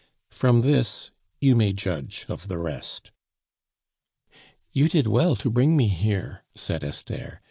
From this you may judge of the rest. "You did well to bring me here," said Esther.